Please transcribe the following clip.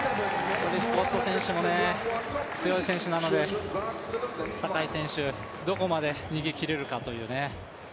プリスゴッド選手も強い選手ですので坂井選手どこまで逃げ切れるかというね。